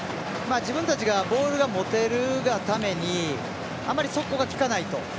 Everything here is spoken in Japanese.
自分たちがボールが持てるがためにあまり速攻がきかないと。